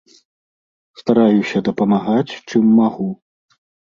Стараюся дапамагаць, чым магу.